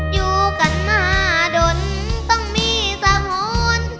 อยู่กันมาดนต้องมีสะหรณ์